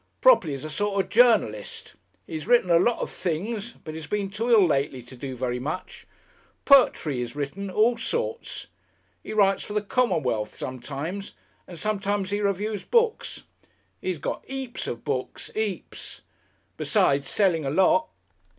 "Properly he's a sort of journalist. He's written a lot of things, but he's been too ill lately to do very much. Poetry he's written, all sorts. He writes for the Commonweal sometimes, and sometimes he reviews books. 'E's got 'eaps of books 'eaps. Besides selling a lot.